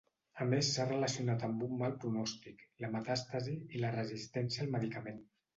A més s’ha relacionat amb un mal pronòstic, la metàstasi i la resistència al medicament.